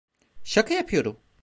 Şaka yapıyorum.